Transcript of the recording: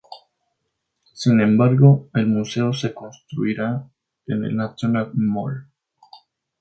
Sin embargo, el museo se construirá en el National Mall.